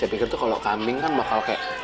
saya pikir tuh kalau kambing kan bakal kayak